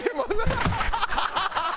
ハハハハ！